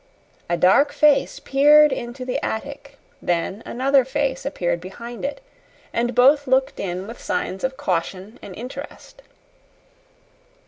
A dark face peered into the attic; then another face appeared behind it, and both looked in with signs of caution and interest.